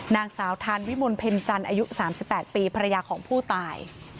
นางสาวทานวิมลเพ็ญจันทร์อายุ๓๘ปีภรรยาของผู้ตาย